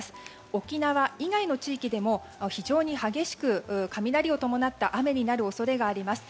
沖縄以外の地域でも非常に激しく雷を伴った雨になる恐れがあります。